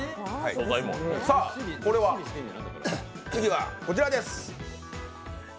次は、こちらです。